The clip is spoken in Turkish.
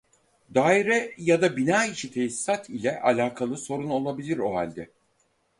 Daire ya da bina içi tesisat ile alakalı sorun olabilir o halde